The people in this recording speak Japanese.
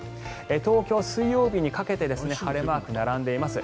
東京、水曜日にかけて晴れマークが並んでいます。